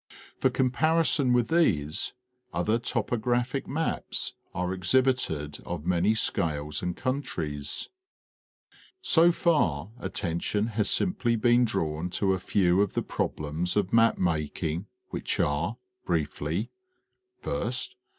For com parison with these, other topographic maps are exhibited of many scales and countries. So far attention has simply been drawn to a few of the problems of map making, which are, briefly : "2 Ist.